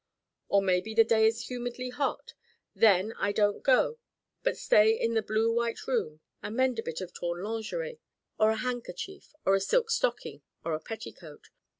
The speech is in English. Or maybe the day is humidly hot. Then I don't go but stay in the blue white room and mend a bit of torn lingerie or a handkerchief or a silk stocking or a petticoat.